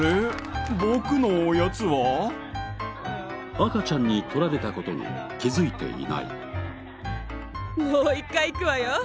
赤ちゃんに取られた事に気づいていない。